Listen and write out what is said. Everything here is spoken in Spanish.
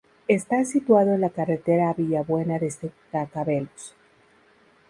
Está situado en la carretera a Villabuena desde Cacabelos.